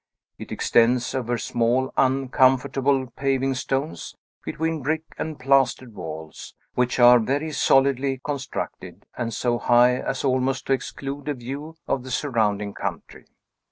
It extends over small, uncomfortable paving stones, between brick and plastered walls, which are very solidly constructed, and so high as almost to exclude a view of the surrounding country.